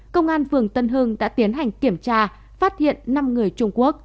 công an phường tân hưng đã tiến hành kiểm tra phát hiện năm người trung quốc